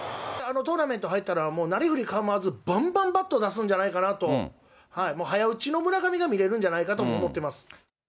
トーナメント入ったら、もうなりふり構わずばんばんバット出すんじゃないかなと、早打ちの村上が見れるんじゃないかと思ってます。